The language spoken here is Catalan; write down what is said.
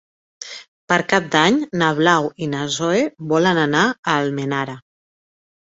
Per Cap d'Any na Blau i na Zoè volen anar a Almenara.